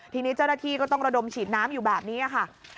ทีนี้เจ้าหน้าที่ก็ต้องระดมฉีดน้ำอยู่แบบนี้ค่ะ